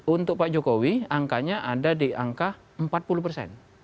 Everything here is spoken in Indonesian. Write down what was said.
untuk pak jokowi angkanya ada di angka empat puluh persen